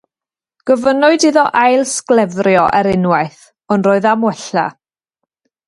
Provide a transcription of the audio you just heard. Gofynnwyd iddo ail-sglefrio ar unwaith, ond roedd am wella.